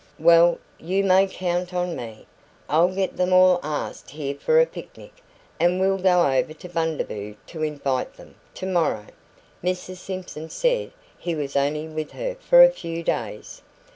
"Well, you may count on me. I'll get them all asked here for a picnic, and we'll go over to Bundaboo to invite them tomorrow. Mrs Simpson said he was only with her for a few days."